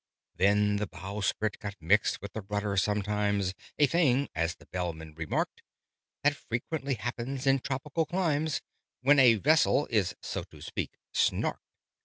Then the bowsprit got mixed with the rudder sometimes: A thing, as the Bellman remarked, That frequently happens in tropical climes, When a vessel is, so to speak, "snarked."